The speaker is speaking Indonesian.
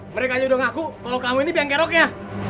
mereka aja udah ngaku kalo kamu ini biang geroknya